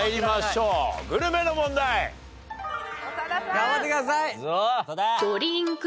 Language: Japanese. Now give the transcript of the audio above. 頑張ってください！